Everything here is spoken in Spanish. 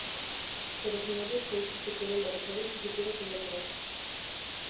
Pero su novia Chelsea se queda embarazada, y su futuro se va al traste.